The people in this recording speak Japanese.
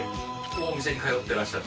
お店に通ってらっしゃる？